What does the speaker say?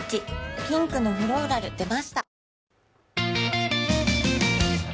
ピンクのフローラル出ました